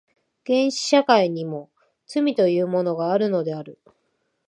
原始社会にも罪というものがあるのである。